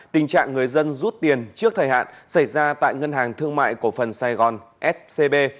tình trạng người dân rút tiền trước thời hạn xảy ra tại ngân hàng thương mại cổ phần sài gòn scb